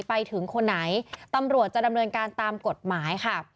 ไปถึงคนไหนตำรวจจะดำเนินการตามกฎหมายค่ะ